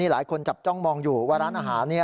หลายคนจับจ้องมองอยู่ว่าร้านอาหาร